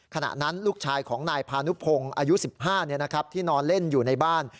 ขณะนั้นลูกชายของนายพานุพงศ์อายุ๑๕ที่นอนเล่นอยู่ในบ้าน